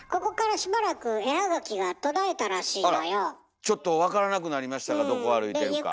ちょっと分からなくなりましたかどこ歩いてるか。